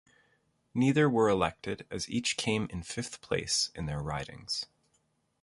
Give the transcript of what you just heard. Neither were elected as each came in fifth place in their ridings.